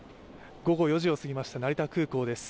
午後４時を過ぎました、成田空港です。